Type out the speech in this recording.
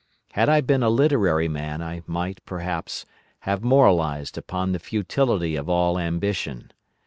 Had I been a literary man I might, perhaps, have moralised upon the futility of all ambition.